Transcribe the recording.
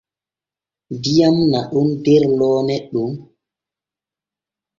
Diyam naɗon der loone ɗon.